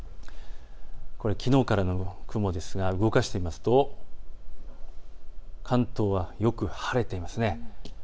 これはきのうからの雲ですが動かしてみますと関東はよく晴れていますね。